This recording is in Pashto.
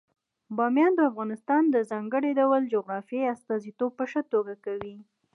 بامیان د افغانستان د ځانګړي ډول جغرافیې استازیتوب په ښه توګه کوي.